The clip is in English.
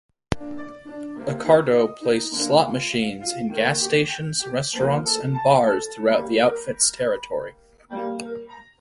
Accardo placed slot machines in gas stations, restaurants and bars throughout the Outfit's territory.